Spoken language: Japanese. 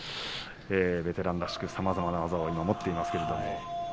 ベテランらしくさまざまな技を持っています。